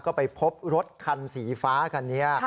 ก็ไปพบรถคันสีฟ้าคันนี้